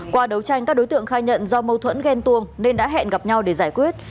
qua đấu tranh các đối tượng khai nhận do mâu thuẫn ghen tuồng nên đã hẹn gặp nhau để giải quyết